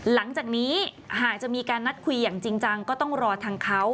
หลังจากนี้หากจะมีการนัดคุยอย่างจริงจังก็ต้องรอทางเขา